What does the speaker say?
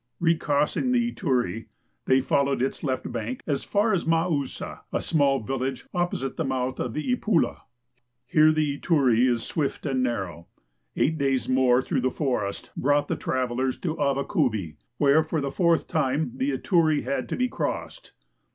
Recrossing the Ituri, they followed its left bank as far as jMoussa, a small village opposite the mouth of the Ipulo. Here the Ituri is swift and narrow. Eight days more through the forest brought the travelers to Avakubi, where for the fourth time the Ituri had to be crossed.